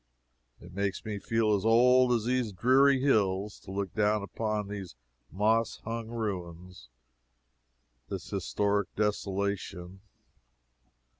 It makes me feel as old as these dreary hills to look down upon these moss hung ruins, this historic desolation.